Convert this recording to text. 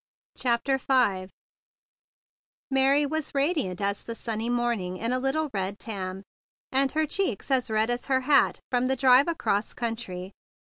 CHAPTER V Mary was radiant as the sunny morning in a little red tam, and her cheeks as red as her hat from the drive across country.